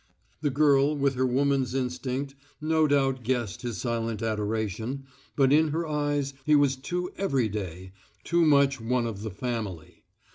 The girl, with her woman's instinct, no doubt guessed his silent adoration, but in her eyes he was too everyday, too much one of the family.